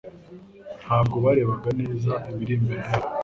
Ntabwo barebaga neza ibiri imbere yabo.